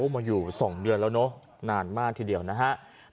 มาอยู่๒เดือนแล้วเนอะนานมากทีเดียวนะครับ